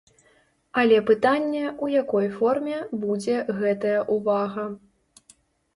Але пытанне, у якой форме будзе гэтая ўвага.